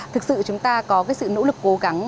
thực sự chúng ta có cái sự nỗ lực cố gắng